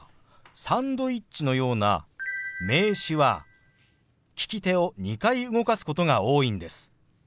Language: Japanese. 「サンドイッチ」のような名詞は利き手を２回動かすことが多いんです。